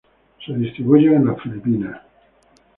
Se distribuyen en las Filipinas.